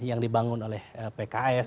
yang dibangun oleh pks